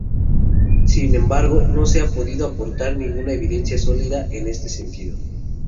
Sin embargo, no se ha podido aportar ninguna evidencia sólida en ese sentido.